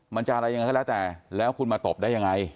มันจะอะไรอย่างไรแล้วคุณมาตบได้อย่างไร